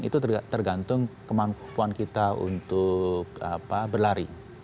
itu tergantung kemampuan kita untuk berlari